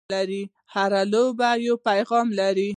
هره لوبه یو پیغام لري.